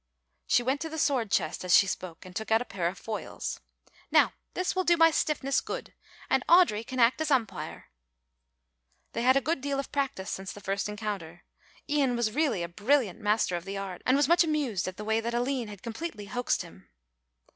She went to the sword chest as she spoke and took out a pair of foils. "Now, this will do my stiffness good, and Audry can act as umpire." They had a good deal of practice since the first encounter. Ian was really a brilliant master of the art and was much amused at the way that Aline had completely hoaxed him.